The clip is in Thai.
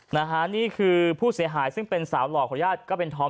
นะฮะนี่คือผู้เสียหายซึ่งเป็นสาวหล่อขออนุญาตก็เป็นธอม